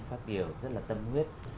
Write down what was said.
phát biểu rất là tâm huyết